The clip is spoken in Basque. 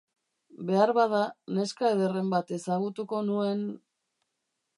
Beharbada, neska ederren bat ezagutuko nuen...